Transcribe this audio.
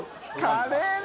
カレーが。